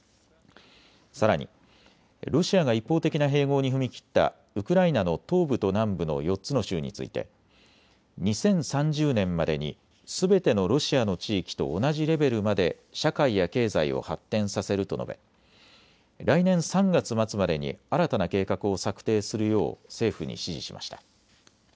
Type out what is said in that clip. さらにロシアが一方的な併合に踏み切ったウクライナの東部と南部の４つの州について２０３０年までにすべてのロシアの地域と同じレベルまで社会や経済を発展させると述べ来年３月末までに新たな計画を策定するよう政府に指示しました。